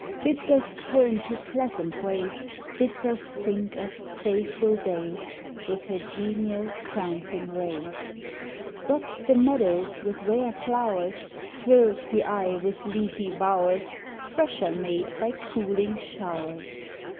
Bids us turn to pleasant ways; Bids us think of playful days With her genial prancing rays. Dots the meadows with rare flowers, Thrills the eye with leafy bowers, Fresher made by cooling showers.